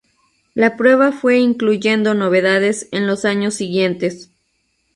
La prueba fue incluyendo novedades en los años siguientes.